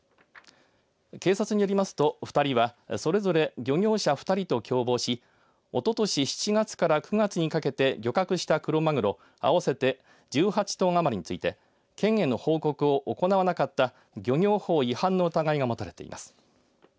警察によりますと、２人はそれぞれ漁業者２人と共謀しおととし７月から９月にかけて漁獲したクロマグロ合わせて１８トン余りについて県への報告を行わなかった漁業法違反の疑いが持たれています。